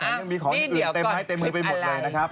อ่ะนี่เดี๋ยวก่อนคลิปอะไรรีวิว